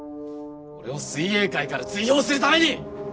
俺を水泳界から追放するために！